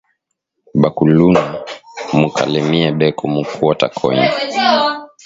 Ba kuluna mu kalemie beko mu quatre coin